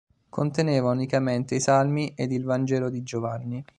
Conteneva unicamente i Salmi ed il Vangelo di Giovanni.